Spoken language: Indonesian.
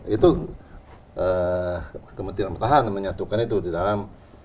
itu kementerian pertahanan menyatukan itu di dalam